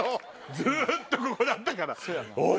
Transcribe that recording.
ずっとここだったから。